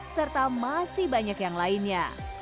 serta masih banyak yang lainnya